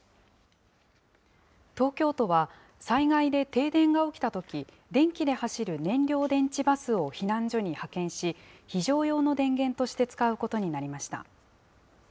東京都は、災害で停電が起きたとき、電気で走る燃料電池バスを避難所に派遣し、非常用の電源として使うことになりました。